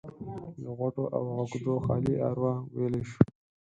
له غوټو او عقدو خالي اروا ويلی شو.